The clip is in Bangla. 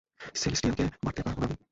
সেলেস্টিয়ালকে মারতে পারবো না আমি।